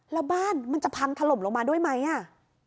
แล้วบ้านมันจะพังถล่มลงมาด้วยไหมอ่ะ